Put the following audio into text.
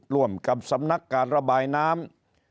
ร่วมกับสำนักการระบายน้ำ